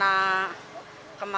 ya berapa bulan nggak jualan